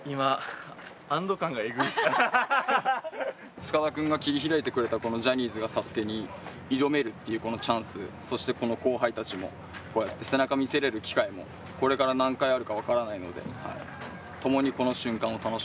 塚田君が切り開いてくれたこのジャニーズがこうやってＳＡＳＵＫＥに挑めるというこのチャンス、そして後輩たちに背中を見せられる、これから何回あるか分からないので。